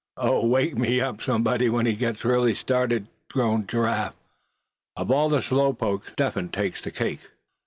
"Oh! wake me up, somebody, when he gets really started," groaned Giraffe; "of all the slow pokes, Step Hen takes the cake."